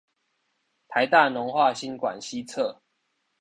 臺大農化新館西側